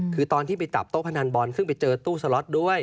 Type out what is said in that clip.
คือตอนที่ไปจับโต๊ะพนันบอลซึ่งไปเจอตู้สล็อตด้วย